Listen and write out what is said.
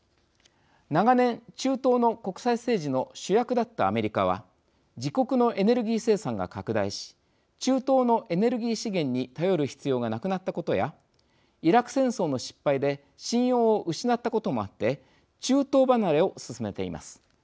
長年中東の国際政治の主役だったアメリカは自国のエネルギー生産が拡大し中東のエネルギー資源に頼る必要がなくなったことやイラク戦争の失敗で信用を失ったこともあって中東離れを進めています。